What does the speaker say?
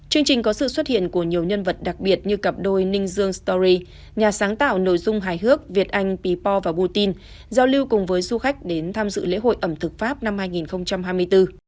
chương trình có sự xuất hiện của nhiều nhân vật đặc biệt như cặp đôi ninh dương story nhà sáng tạo nội dung hài hước việt anh por và putin giao lưu cùng với du khách đến tham dự lễ hội ẩm thực pháp năm hai nghìn hai mươi bốn